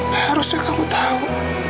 harusnya kamu tahu